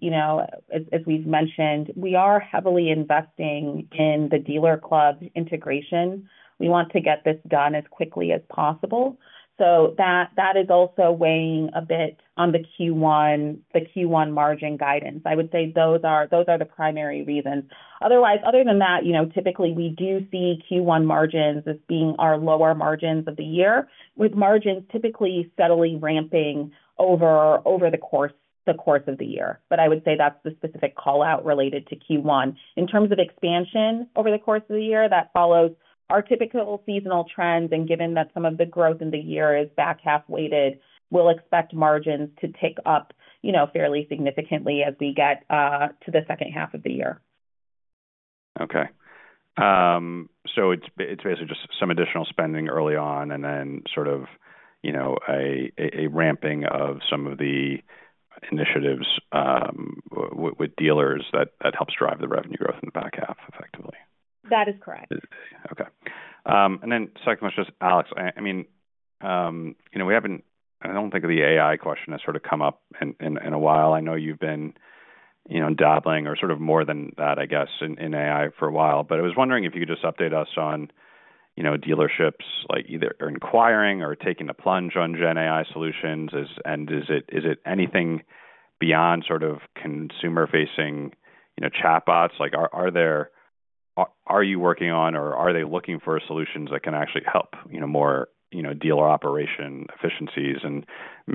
as we've mentioned, we are heavily investing in the DealerClub integration. We want to get this done as quickly as possible. So that is also weighing a bit on the Q1 margin guidance. I would say those are the primary reasons. Otherwise, other than that, typically, we do see Q1 margins as being our lower margins of the year, with margins typically steadily ramping over the course of the year. But I would say that's the specific callout related to Q1. In terms of expansion over the course of the year, that follows our typical seasonal trends. And given that some of the growth in the year is back-half weighted, we'll expect margins to tick up fairly significantly as we get to the second half of the year. Okay. So it's basically just some additional spending early on and then sort of a ramping of some of the initiatives with dealers that helps drive the revenue growth in the back half, effectively. That is correct. Okay. Then second question is, Alex. I mean, we haven't. I don't think the AI question has sort of come up in a while. I know you've been dabbling or sort of more than that, I guess, in AI for a while. But I was wondering if you could just update us on dealerships either inquiring or taking a plunge on GenAI solutions. And is it anything beyond sort of consumer-facing chatbots? Are you working on, or are they looking for solutions that can actually help more dealer operation efficiencies? And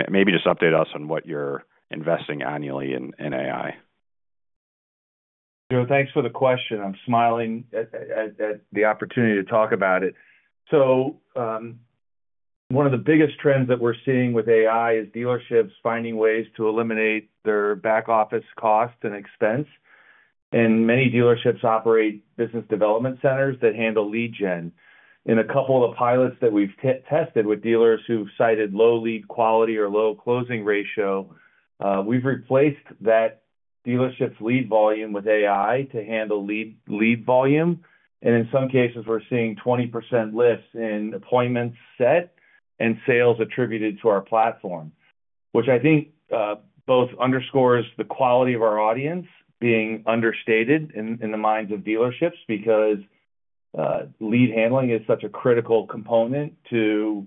maybe just update us on what you're investing annually in AI. Joe, thanks for the question. I'm smiling at the opportunity to talk about it. So one of the biggest trends that we're seeing with AI is dealerships finding ways to eliminate their back-office cost and expense. And many dealerships operate business development centers that handle lead gen. In a couple of the pilots that we've tested with dealers who've cited low lead quality or low closing ratio, we've replaced that dealership's lead volume with AI to handle lead volume. And in some cases, we're seeing 20% lifts in appointments set and sales attributed to our platform, which I think both underscores the quality of our audience being understated in the minds of dealerships because lead handling is such a critical component to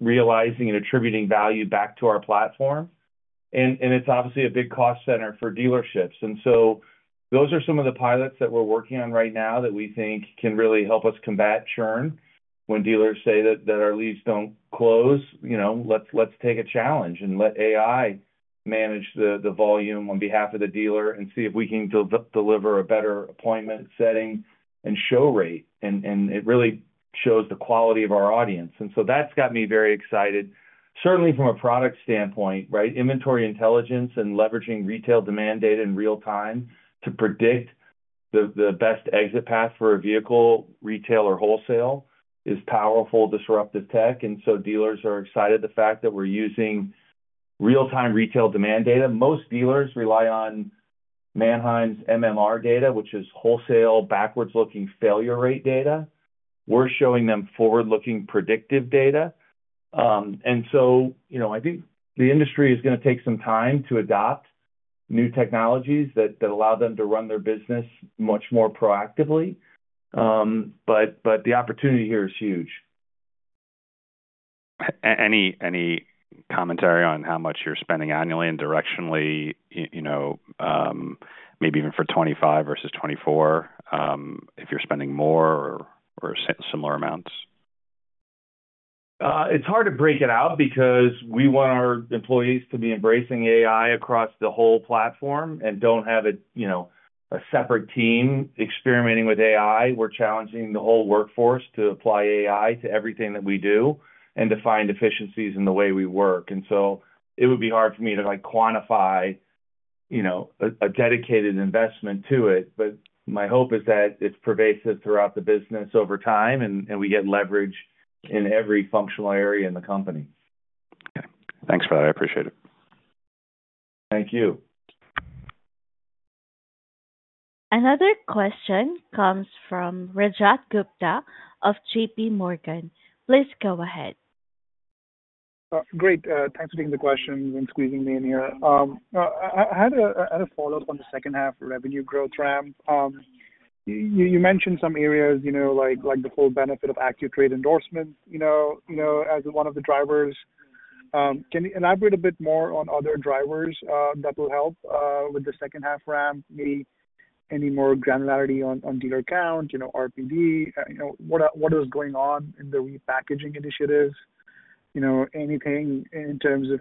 realizing and attributing value back to our platform. And it's obviously a big cost center for dealerships. And so those are some of the pilots that we're working on right now that we think can really help us combat churn when dealers say that our leads don't close. Let's take a challenge and let AI manage the volume on behalf of the dealer and see if we can deliver a better appointment setting and show rate. And it really shows the quality of our audience. And so that's got me very excited. Certainly, from a product standpoint, right, Inventory Intelligence and leveraging retail demand data in real time to predict the best exit path for a vehicle retail or wholesale is powerful disruptive tech. And so dealers are excited the fact that we're using real-time retail demand data. Most dealers rely on Manheim's MMR data, which is wholesale backwards-looking failure rate data. We're showing them forward-looking predictive data. And so I think the industry is going to take some time to adopt new technologies that allow them to run their business much more proactively. But the opportunity here is huge. Any commentary on how much you're spending annually and directionally, maybe even for 2025 versus 2024, if you're spending more or similar amounts? It's hard to break it out because we want our employees to be embracing AI across the whole platform and don't have a separate team experimenting with AI. We're challenging the whole workforce to apply AI to everything that we do and to find efficiencies in the way we work. And so it would be hard for me to quantify a dedicated investment to it. But my hope is that it's pervasive throughout the business over time and we get leverage in every functional area in the company. Okay. Thanks for that. I appreciate it. Thank you. Another question comes from Rajat Gupta of JPMorgan. Please go ahead. Great. Thanks for taking the question and squeezing me in here. I had a follow-up on the second-half revenue growth ramp. You mentioned some areas, like the full benefit of AccuTrade endorsements as one of the drivers. Can you elaborate a bit more on other drivers that will help with the second-half ramp? Maybe any more granularity on dealer count, ARPD? What is going on in the repackaging initiatives? Anything in terms of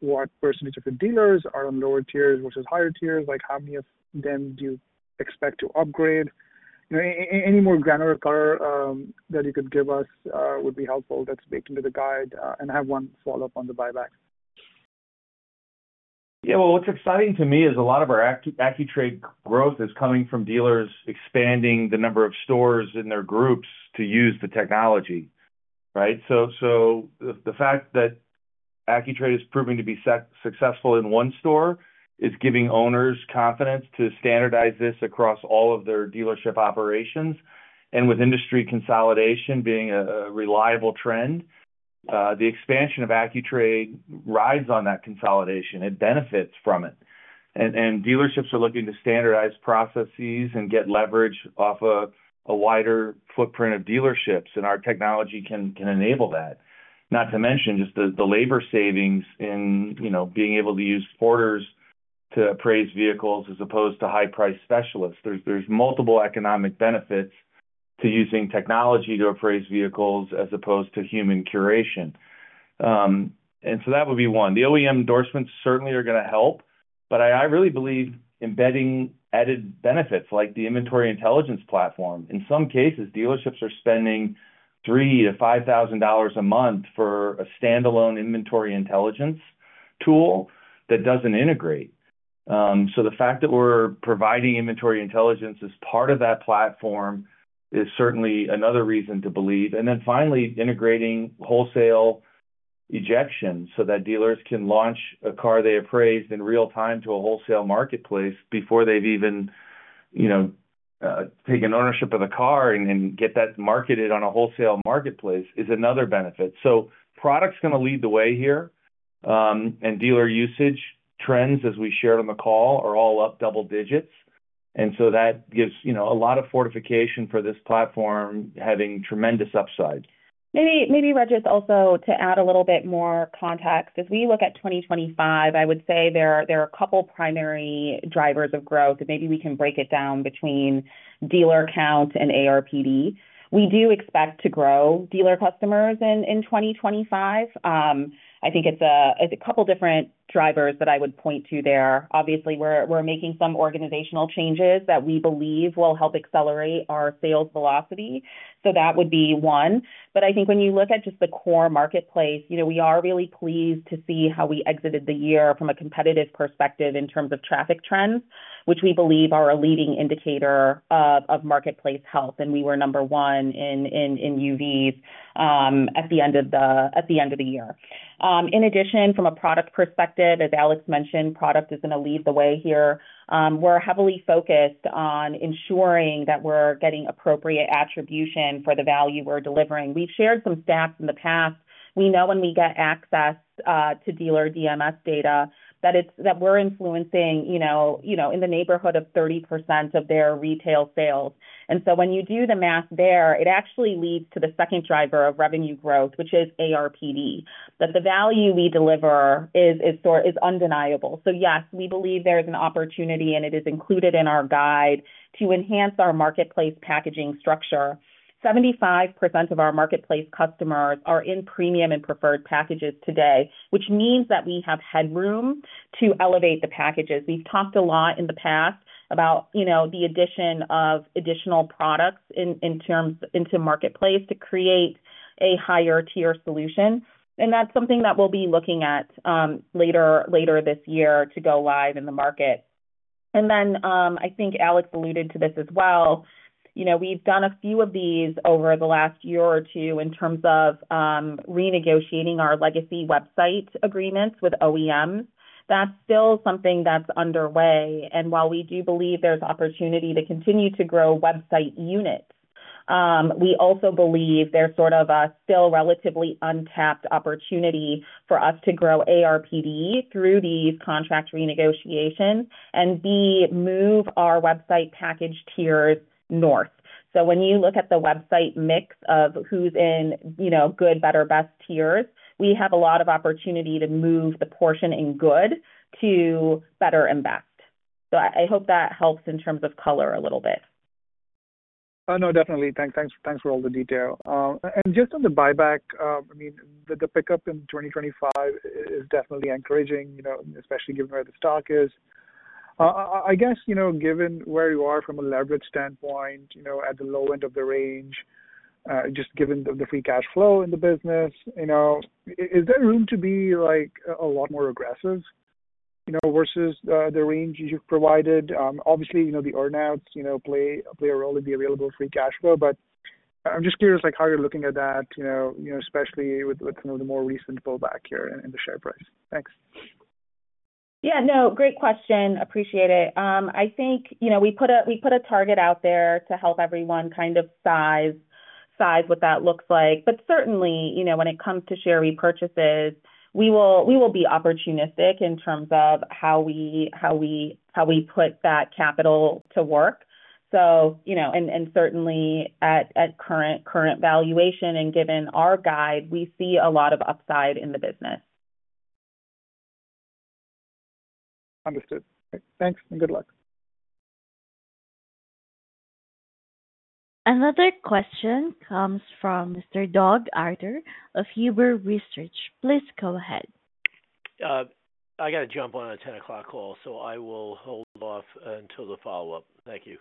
what percentage of the dealers are on lower tiers versus higher tiers? How many of them do you expect to upgrade? Any more granular color that you could give us would be helpful, that's baked into the guide. And I have one follow-up on the buyback. Yeah. Well, what's exciting to me is a lot of our AccuTrade growth is coming from dealers expanding the number of stores in their groups to use the technology, right? The fact that AccuTrade is proving to be successful in one store is giving owners confidence to standardize this across all of their dealership operations. With industry consolidation being a reliable trend, the expansion of AccuTrade rides on that consolidation. It benefits from it. Dealerships are looking to standardize processes and get leverage off of a wider footprint of dealerships. Our technology can enable that. Not to mention just the labor savings in being able to use porters to appraise vehicles as opposed to high-priced specialists. There are multiple economic benefits to using technology to appraise vehicles as opposed to human curation. That would be one. The OEM endorsements certainly are going to help. I really believe embedding added benefits like the Inventory Intelligence Platform. In some cases, dealerships are spending $3,000-$5,000 a month for a standalone Inventory Intelligence tool that doesn't integrate. So the fact that we're providing Inventory Intelligence as part of that platform is certainly another reason to believe. And then finally, integrating wholesale auctions so that dealers can launch a car they appraised in real time to a wholesale marketplace before they've even taken ownership of the car, and get that marketed on a wholesale marketplace is another benefit. So the product's going to lead the way here. And dealer usage trends, as we shared on the call, are all up double digits. And so that gives a lot of fortification for this platform, having tremendous upside. Maybe, Rajat, also to add a little bit more context. As we look at 2025, I would say there are a couple of primary drivers of growth. Maybe we can break it down between dealer count and ARPD. We do expect to grow dealer customers in 2025. I think it's a couple of different drivers that I would point to there. Obviously, we're making some organizational changes that we believe will help accelerate our sales velocity. So that would be one. But I think when you look at just the core marketplace, we are really pleased to see how we exited the year from a competitive perspective in terms of traffic trends, which we believe are a leading indicator of marketplace health. And we were number one in UVs at the end of the year. In addition, from a product perspective, as Alex mentioned, product is going to lead the way here. We're heavily focused on ensuring that we're getting appropriate attribution for the value we're delivering. We've shared some stats in the past. We know when we get access to dealer DMS data that we're influencing in the neighborhood of 30% of their retail sales. And so when you do the math there, it actually leads to the second driver of revenue growth, which is ARPD, that the value we deliver is undeniable. So yes, we believe there is an opportunity, and it is included in our guide to enhance our marketplace packaging structure. 75% of our marketplace customers are in Premium and Preferred packages today, which means that we have headroom to elevate the packages. We've talked a lot in the past about the addition of additional products into marketplace to create a higher-tier solution. And that's something that we'll be looking at later this year to go live in the market. And then I think Alex alluded to this as well. We've done a few of these over the last year or two in terms of renegotiating our legacy website agreements with OEMs. That's still something that's underway. And while we do believe there's opportunity to continue to grow website units, we also believe there's sort of a still relatively untapped opportunity for us to grow ARPD through these contract renegotiations and, B, move our website package tiers north. So when you look at the website mix of who's in good, better, best tiers, we have a lot of opportunity to move the portion in good to better and best. So I hope that helps in terms of color a little bit. No, definitely. Thanks for all the detail. And just on the buyback, I mean, the pickup in 2025 is definitely encouraging, especially given where the stock is. I guess, given where you are from a leverage standpoint at the low end free cash flow in the business, is there room to be a lot more aggressive versus the range you've provided? Obviously, the earnouts free cash flow. But i'm just curious how you're looking at that, especially with some of the more recent pullback here in the share price. Thanks. Yeah. No, great question. Appreciate it. I think we put a target out there to help everyone kind of size what that looks like. But certainly, when it comes to share repurchases, we will be opportunistic in terms of how we put that capital to work. And certainly, at current valuation and given our guide, we see a lot of upside in the business. Understood. Thanks and good luck. Another question comes from Mr. Doug Arthur of Huber Research. Please go ahead. I got to jump on a 10:00 A.M. call, so I will hold off until the follow-up. Thank you.